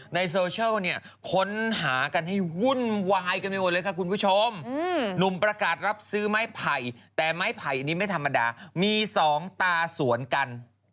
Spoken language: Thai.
ในโซเชียลเนี่ยค้นหากันให้วุ่นวายกันไปหมดเลยค่ะคุณผู้ชมหนุ่มประกาศรับซื้อไม้ไผ่แต่ไม้ไผ่อันนี้ไม่ธรรมดามีสองตาสวนกัน